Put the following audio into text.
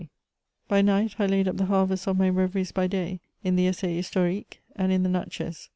'* By night I laid up the harvests of my reveries by day, in the <' Essai Histo lique^' and in the ^' Natchez.